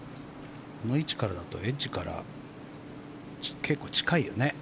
あの位置からだとエッジから結構近いよね。